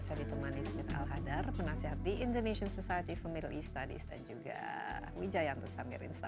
saya ditemani smith al hadar penasihat di indonesian society for middle east studies dan juga wijayanto samir insta